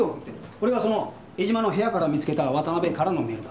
これがその江島の部屋から見つけた渡辺からのメールだ。